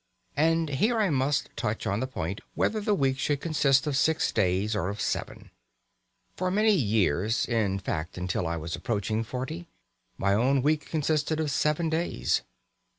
And here I must touch on the point whether the week should consist of six days or of seven. For many years in fact, until I was approaching forty my own week consisted of seven days.